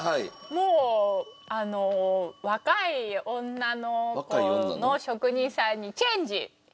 もうあの若い女の子の職人さんにチェンジ！